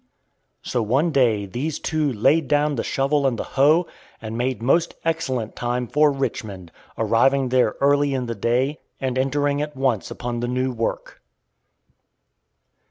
So one day these two "laid down the shovel and the hoe," and made most excellent time for Richmond, arriving there early in the day, and entering at once upon the new work.